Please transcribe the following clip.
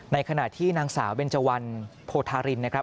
ในขณะที่นางสาวเบนเจวันโพธารินนะครับ